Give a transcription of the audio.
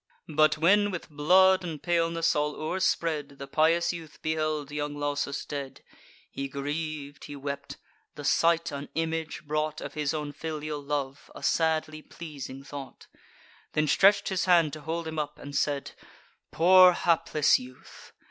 But when, with blood and paleness all o'erspread, The pious prince beheld young Lausus dead, He griev'd; he wept; the sight an image brought Of his own filial love, a sadly pleasing thought: Then stretch'd his hand to hold him up, and said: "Poor hapless youth!